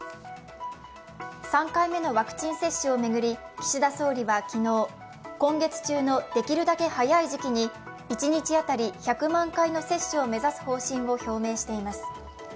３回目のワクチン接種を巡り、岸田総理は昨日、今月中のできるだけ早い時期に一日当たり１００万回の接種を目指す方針を表明しています。